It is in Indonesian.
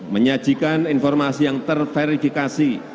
menyajikan informasi yang terverifikasi